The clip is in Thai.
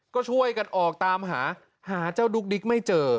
ก็ช่วยกันออกตามหาหาเจ้าดุ๊กดิ๊กไม่เจอ